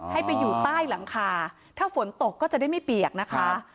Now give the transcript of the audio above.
ให้ไปอยู่ใต้หลังคาถ้าฝนตกก็จะได้ไม่เปียกนะคะ